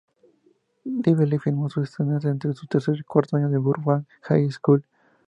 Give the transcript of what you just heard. Lively filmó sus escenas entre su tercer y cuarto año en Burbank High School.